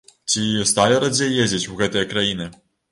Ці сталі радзей ездзіць у гэтыя краіны?